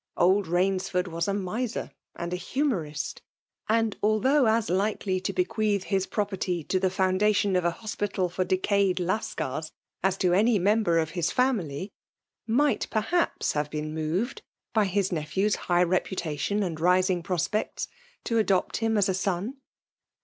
Old Bains&rd was a miser and a hnmoorist; and although as likely to be* qneath his property to the foundation of an hospital for decayed I^ustcars, as to any mem* her of his Cunily^ might perhaps have been waii?ed« by his nephews high reputation and rising prospects^ to adopt him as a son.